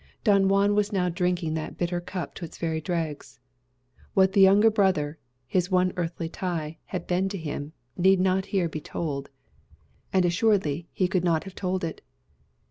Don Juan was now drinking that bitter cup to its very dregs. What the young brother, his one earthly tie, had been to him, need not here be told; and assuredly he could not have told it.